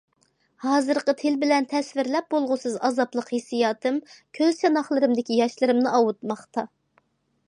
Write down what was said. ھازىرقى تىل بىلەن تەسۋىرلەپ بولغۇسىز ئازابلىق ھېسسىياتىم كۆز چاناقلىرىمدىكى ياشلىرىمنى ئاۋۇتماقتا.